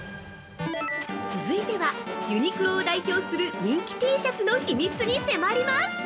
続いては、ユニクロを代表する人気Ｔシャツの秘密に迫ります。